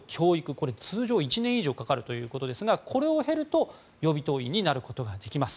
これ、通常１年以上かかるということですがこれを経ると予備党員になることができます。